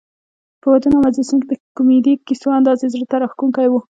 په ودونو او مجلسونو کې د کمیډي کیسو انداز یې زړه ته راښکوونکی وو.